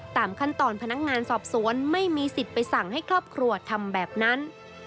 ตามขั้นตอนพนักงานสอบสวนไม่มีสิทธิ์ไปสั่งให้ครอบครัวทำแบบนั้น